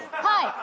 はい。